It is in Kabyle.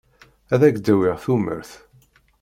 Ad ak-d-awiɣ tumert.